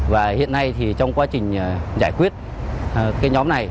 và hiện nay thì trong quá trình giải quyết cái nhóm này